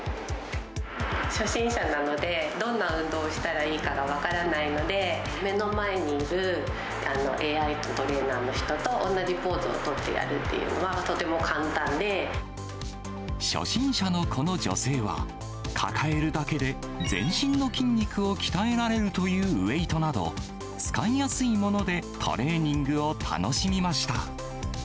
初心者なので、どんな運動したらいいかが分からないので、目の前にいるＡＩのトレーナーの人と同じポーズをとってやるって初心者のこの女性は、抱えるだけで全身の筋肉を鍛えられるというウエイトなど、使いやすいものでトレーニングを楽しみました。